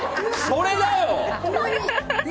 それだよ！